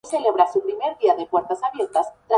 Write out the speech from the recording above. Son sulfatos de alcoholes grasos.